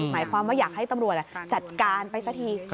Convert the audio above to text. หมายความว่าอยากให้ตำรวจจัดการไปสักที